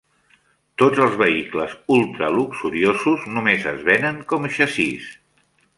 Tots els vehicles ultra luxuriosos només es venen com xassís.